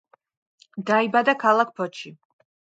დაიბადა ქალაქ ფოთში.